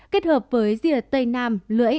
kết hợp với rìa tây nam lưỡi